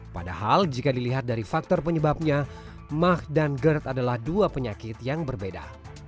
padahal jika dilihat dari faktor penyebabnya mah dan gerd adalah dua penyakit yang berbeda